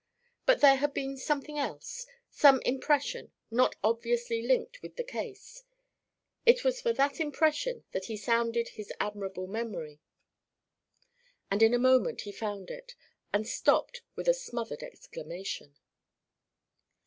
But there had been something else some impression, not obviously linked with the case: It was for that impression that he sounded his admirable memory; and in a moment he found it and stopped with a smothered exclamation.